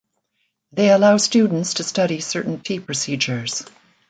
They allow students to study certain tea procedures.